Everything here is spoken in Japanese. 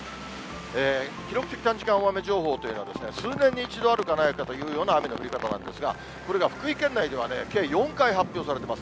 記録的短時間大雨情報というのは、数年に一度あるかないかというような雨の降り方なんですが、これが福井県内では計４回発表されています。